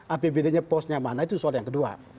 apbd nya posnya mana itu soal yang kedua